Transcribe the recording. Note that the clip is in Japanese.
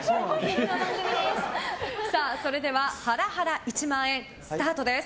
それではハラハラ１万円スタートです。